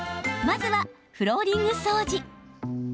まずは、フローリング掃除。